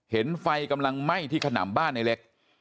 เห็นไฟกำลังไหม้ที่ขนำบ้านในเล็ก